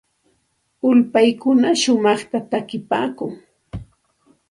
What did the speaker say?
Ulpaykuna shumaqta takipaakun.